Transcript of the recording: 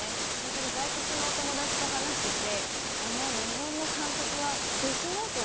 外国の友達と話していて、あの日本の監督はデスノートを